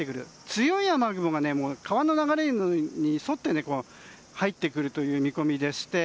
強い雨雲が川の流れに沿って入ってくる見込みでして。